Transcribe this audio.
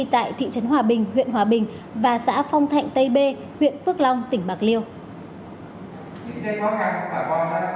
tại thị trấn hòa bình huyện hòa bình và xã phong thạnh tây bê huyện phước long tỉnh bạc liêu